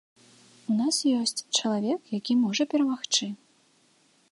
У нас ёсць чалавек, які можа перамагчы.